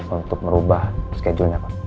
untuk merubah schedule nya pak